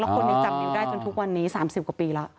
คนนี้จำนิ้วได้จนทุกวันนี้๓๐กว่าปีแล้ว